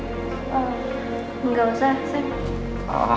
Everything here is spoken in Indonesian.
engga usah sam